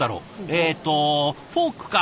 えっとフォークか？